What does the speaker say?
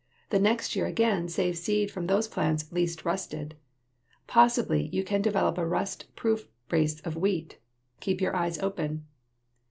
The next year again save seed from those plants least rusted. Possibly you can develop a rust proof race of wheat! Keep your eyes open.